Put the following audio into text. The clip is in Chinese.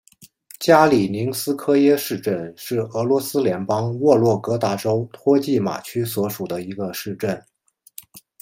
加里宁斯科耶市镇是俄罗斯联邦沃洛格达州托季马区所属的一个市镇。